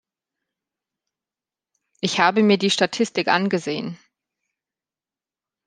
Ich habe mir die Statistik angesehen.